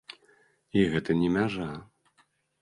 І гэта не мяжа!